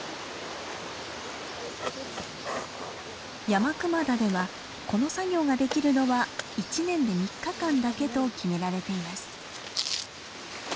山熊田ではこの作業ができるのは１年で３日間だけと決められています。